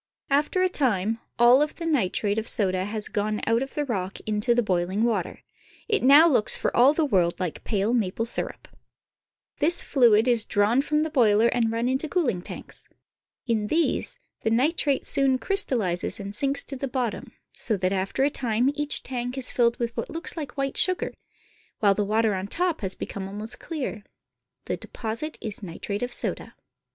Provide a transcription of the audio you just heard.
After a time all of the nitrate of soda has gone out of the rock into the boiling water. It now looks for all the world like pale maple sirup. \\ iMmMm^?^ ^^.\" 'V. •■•.^.. V ^•.aj)thate~.rock .• ^^g^^Ss£ Diagram of Nitrate Bed. This fluid is drawn from the boiler and run into cooling tanks. In these the nitrate soon crystallizes and sinks to the bottom, so that after a time each tank is filled with what looks like white sugar, while the water on top has become almost clear. The deposit is nitrate of soda.